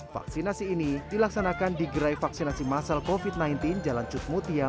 vaksinasi ini dilaksanakan di gerai vaksinasi masal covid sembilan belas jalan cutmutia